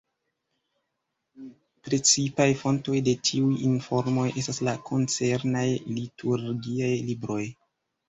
Precipaj fontoj de tiuj informoj estas la koncernaj liturgiaj libroj.